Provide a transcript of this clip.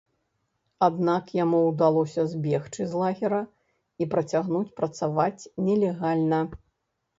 Аднак яму ўдалося збегчы з лагера і працягнуць працаваць нелегальна.